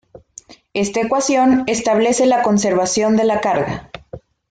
Esta ecuación establece la conservación de la carga.